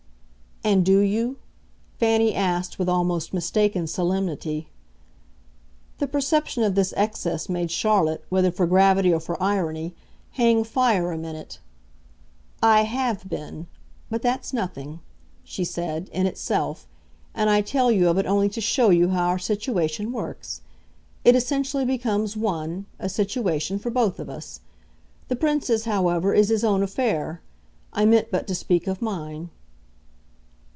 "And do you?" Fanny asked with almost mistaken solemnity. The perception of this excess made Charlotte, whether for gravity or for irony, hang fire a minute. "I HAVE been. But that's nothing," she said, "in itself, and I tell you of it only to show you how our situation works. It essentially becomes one, a situation, for both of us. The Prince's, however, is his own affair I meant but to speak of mine."